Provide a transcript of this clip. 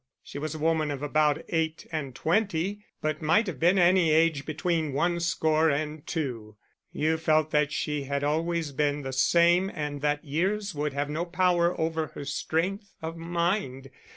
She was a woman of about eight and twenty, but might have been any age between one score and two; you felt that she had always been the same and that years would have no power over her strength of mind.